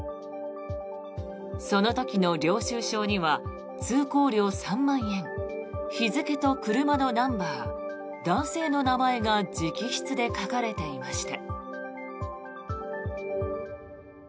その時の領収証には通行料３万円日付と車のナンバー男性の名前が直筆で書かれていました。